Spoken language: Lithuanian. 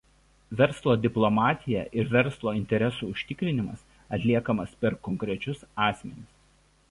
Verslo diplomatija ir verslo interesų užtikrinimas atliekamas per konkrečius asmenis.